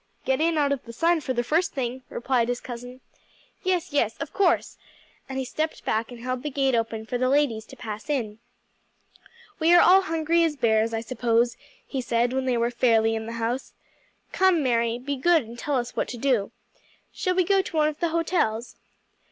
"Get in out of the sun for the first thing," replied his cousin. "Yes, yes, of course!" and he stepped back and held the gate open for the ladies to pass in. "We are all hungry as bears, I suppose," he said when they were fairly in the house. "Come, Mary, be good and tell us what to do. Shall we go to one of the hotels?"